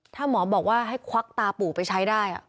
ถ้าหมอบอกว่าให้ควักตาปู่ไปใช้ได้